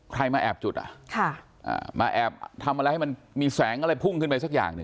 ใครมาแอบจุดอ่ะค่ะมาแอบทำอะไรให้มันมีแสงอะไรพุ่งขึ้นไปสักอย่างหนึ่ง